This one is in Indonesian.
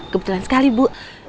kebetulan sekali bu